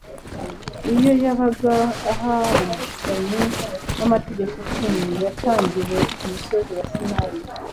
iyo yabaga ahariganye n'amategeko cumi yatarigiwe ku musozi wa Sinai.